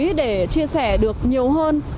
đây là điểm mới để chia sẻ được nhiều hơn